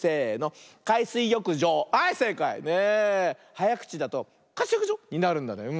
はやくちだと「かすよくじょ」になるんだね。